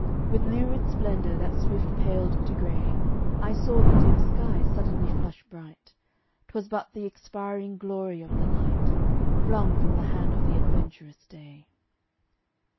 With lurid splendor that swift paled to gray, I saw the dim skies suddenly flush bright. 'Twas but the expiring glory of the light Flung from the hand of the adventurous day.